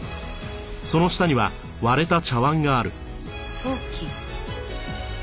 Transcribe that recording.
陶器？